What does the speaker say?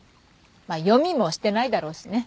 まあ読みもしてないだろうしね。